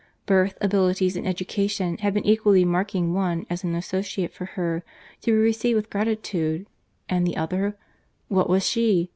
—Birth, abilities, and education, had been equally marking one as an associate for her, to be received with gratitude; and the other—what was she?